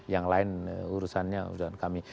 yang lain urusannya urusan kami